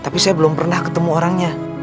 tapi saya belum pernah ketemu orangnya